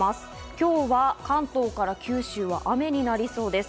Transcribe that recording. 今日は関東から九州は雨になりそうです。